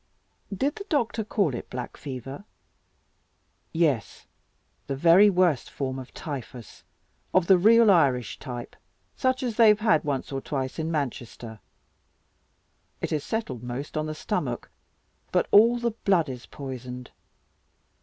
"Did the doctor call it black fever?" "Yes, the very worst form of typhus of the real Irish type, such as they have had once or twice in Manchester. It has settled most on the stomach, but all the blood is poisoned."